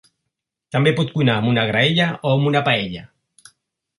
També pot cuinar amb una graella o amb una paella.